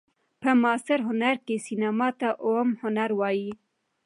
په معاصر هنر کښي سېنما ته اووم هنر وايي.